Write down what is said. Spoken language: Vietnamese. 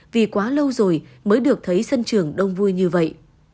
vì quá lâu rồi mới được thấy sân trường đông vui như vậy